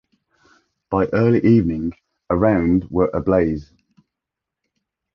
By early evening, around were ablaze.